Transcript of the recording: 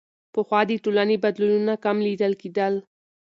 پخوا د ټولنې بدلونونه کم لیدل کېدل.